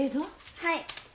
はい。